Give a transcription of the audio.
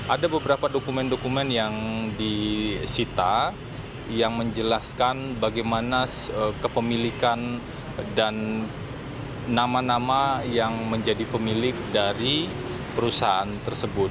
ada beberapa dokumen dokumen yang disita yang menjelaskan bagaimana kepemilikan dan nama nama yang menjadi pemilik dari perusahaan tersebut